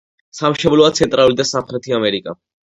სამშობლოა ცენტრალური და სამხრეთი ამერიკა.